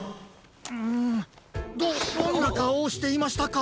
うんどどんなかおをしていましたか？